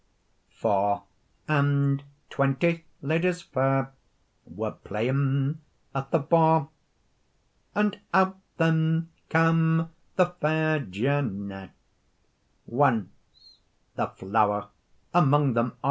Four and twenty ladies fair Were playing at the ba, And out then cam the fair Janet, Ance the flower amang them a'.